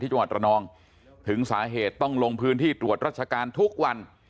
จังหวัดระนองถึงสาเหตุต้องลงพื้นที่ตรวจราชการทุกวัน